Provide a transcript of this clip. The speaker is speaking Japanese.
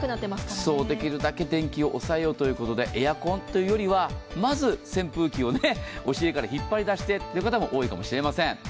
電気を抑えようということでエアコンというよりはまず扇風機を押し入れから引っ張り出してという方、多いかもしれません。